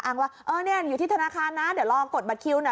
ว่าเออเนี่ยอยู่ที่ธนาคารนะเดี๋ยวรอกดบัตรคิวนะ